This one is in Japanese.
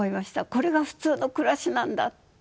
これが普通の暮らしなんだって。